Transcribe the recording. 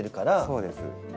そうです。